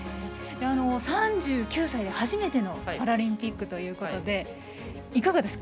３９歳で初めてのパラリンピックということでいかがですか。